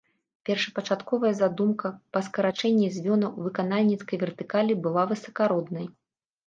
Першапачатковая задумка па скарачэнні звёнаў выканальніцкай вертыкалі была высакароднай.